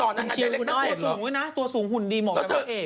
โอเคสูงเลยนะตัวสูงหุ่นดีเหมาะกับให้เอก